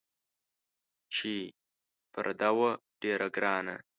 چې پر ده وه ډېره ګرانه